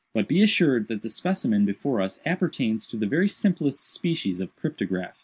But be assured that the specimen before us appertains to the very simplest species of cryptograph.